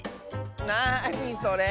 なにそれ！